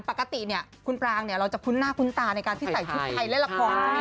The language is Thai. ปกติเนี่ยคุณปรางเนี่ยเราจะคุ้นหน้าคุ้นตาในการที่ใส่ชุดไทยเล่นละครใช่ไหม